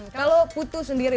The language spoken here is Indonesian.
kalau putu sendiri